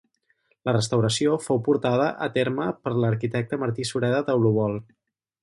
La restauració fou portada a terme per l'arquitecte Martí Sureda Deulovol.